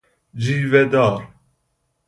جیوه دار